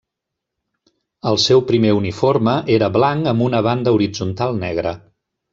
El seu primer uniforme era blanc amb una banda horitzontal negra.